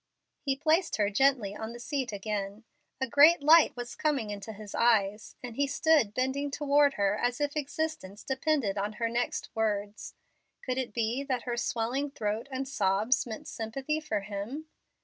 He placed her gently on the seat again. A great light was coming into his eyes, and he stood bending toward her as if existence depended on her next words. Could it be that her swelling throat and sobs meant sympathy for him?